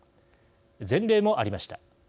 前例もありました。